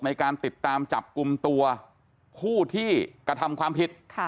ในการติดตามจับกลุ่มตัวผู้ที่กระทำความผิด